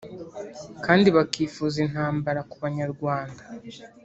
kandi bakifuza intambara kubanyarwanda